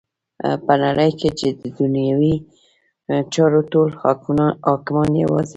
په نړی کی چی ددنیوی چارو ټول حاکمان یواځی